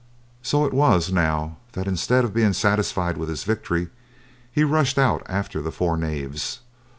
So it was, now, that instead of being satisfied with his victory, he rushed out after the four knaves.